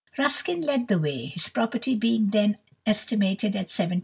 Ruskin led the way, his property being then estimated at £70,000.